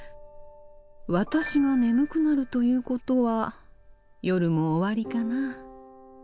私が眠くなるということは夜も終わりかな。